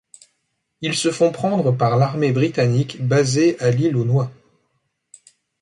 Ils se font prendre par l'armée britannique basée à l'Île aux Noix.